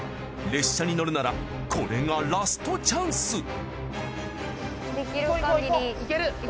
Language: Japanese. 列車に乗るならこれがラストチャンス。